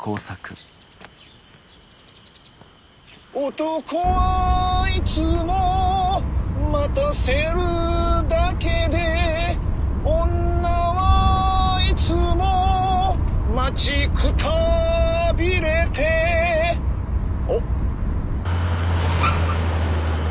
男はいつも待たせるだけで女はいつも待ちくたびれてお？